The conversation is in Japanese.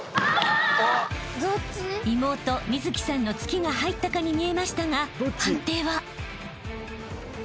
［妹美月さんの突きが入ったかに見えましたが判定は？］